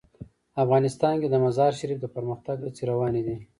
افغانستان کې د مزارشریف د پرمختګ هڅې روانې دي.